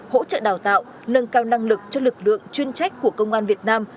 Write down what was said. hỗ trợ đào tạo nâng cao năng lực cho lực lượng chuyên trách của công an việt nam